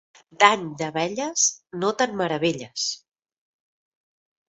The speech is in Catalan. D'any d'abelles, no te'n meravelles.